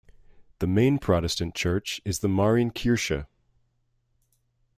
The main Protestant church is the Marien Kirche.